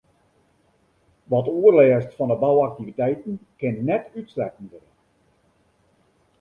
Wat oerlêst fan 'e bouaktiviteiten kin net útsletten wurde.